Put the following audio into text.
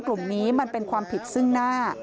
กลุ่มนี้มันเป็นความผิดซึ่งหน้า